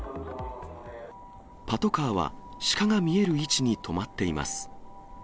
パトカーはシカが見える位置に止まっています。